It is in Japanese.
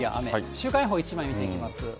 週間予報、一枚見ていきます。